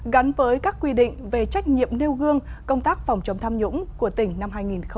gắn với các quy định về trách nhiệm nêu gương công tác phòng chống tham nhũng của tỉnh năm hai nghìn một mươi chín